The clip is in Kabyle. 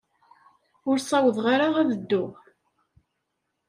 Ur ssawḍeɣ ara ad dduɣ.